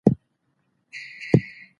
هغه پرون پر لارې ولاړی.